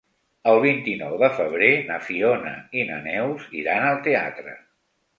El vint-i-nou de febrer na Fiona i na Neus iran al teatre.